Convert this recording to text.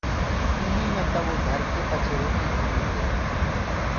چوليٚ مي تَوو ڌرڪي پڇي روٽيٚ ڌرڻيٚ هي